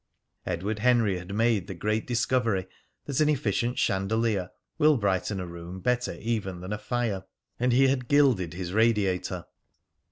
Edward Henry had made the great discovery that an efficient chandelier will brighten a room better even than a fire; and he had gilded his radiator.